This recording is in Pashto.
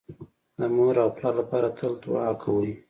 د مور او پلار لپاره تل دوعا کوئ